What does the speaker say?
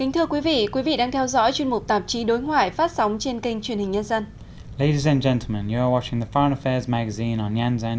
thưa quý vị quý vị đang theo dõi chuyên mục tạp chí đối ngoại phát sóng trên kênh truyền hình nhân dân